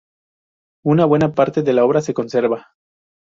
Una buena parte de la obra se conserva.